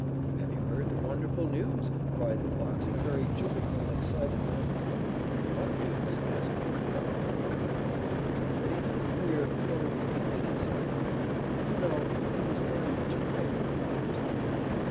"Have you heard the wonderful news?" cried the Fox in a very joyful and excited manner. "What news?" asked the Cock very calmly. But he had a queer, fluttery feeling inside him, for, you know, he was very much afraid of the Fox.